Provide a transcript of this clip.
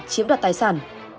chiếm đọt tài sản